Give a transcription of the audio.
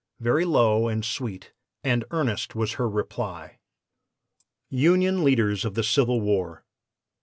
Very low, and sweet, and earnest was her reply: [Illustration: UNION LEADERS OF THE CIVIL WAR.